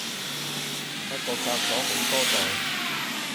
不過隔咗好多代